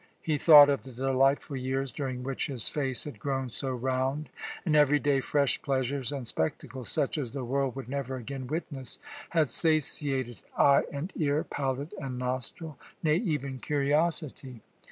He thought of the delightful years during which his face had grown so round, and every day fresh pleasures and spectacles, such as the world would never again witness, had satiated eye and ear, palate and nostril, nay, even curiosity.